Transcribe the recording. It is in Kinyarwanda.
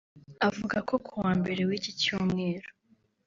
avuga ko kuwa mbere w’iki cyumweru